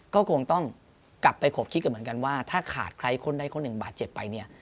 ก็คงต้องกลับไปขบคิดกันเหมือนกันว่าถ้าขาดใครคนได้คน๑บาทเจ็บไป